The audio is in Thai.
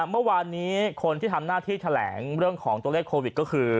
เมื่อวานนี้คนที่ทำหน้าที่แถลงเรื่องของตัวเลขโควิดก็คือ